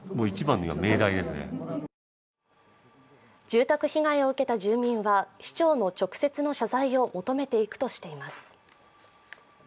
住宅被害を受けた住民は市長の直接の謝罪を求めていくとしています。